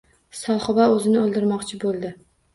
Sohiba o`zini o`ldirmoqchi bo`ldi